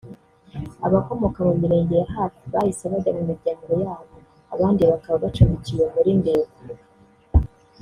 Abakomoka mu mirenge ya hafi bahise bajya mu miryango ya bo abandi bakaba bacumbikiwe muri Ndego